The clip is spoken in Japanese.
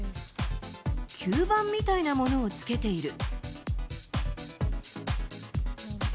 吸盤みたいなものをつけている。